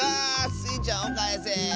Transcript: スイちゃんをかえせ。